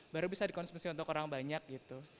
baru bisa dikonsumsi untuk orang banyak gitu